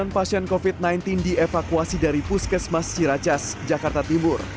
sembilan pasien covid sembilan belas dievakuasi dari puskesmas ciracas jakarta timur